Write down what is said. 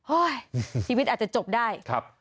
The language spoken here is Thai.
โอ้ยชีวิตอาจจะจบได้